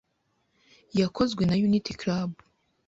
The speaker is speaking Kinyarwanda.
yakozwe na Unity Club.